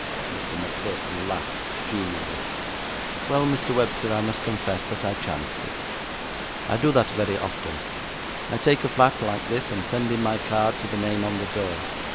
Mr. Macpherson laughed genially. 'Well, Mr. Webster, I must confess that I chanced it. I do that very often. I take a flat like this, and send in my card to the name on the door.